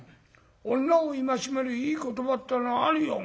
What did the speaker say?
女を戒めるいい言葉ってのがあるよ。